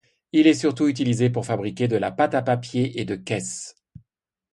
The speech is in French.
Il est surtout utilisé pour fabriquer de la pâte à papier et de caisses.